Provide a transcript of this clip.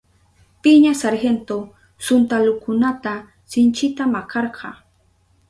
Piña sargento suntalukunata sinchita makarka.